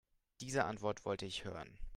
Diese Antwort wollte ich hören.